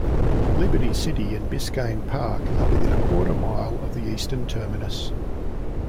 Liberty City and Biscayne Park are within a quarter mile of the eastern terminus.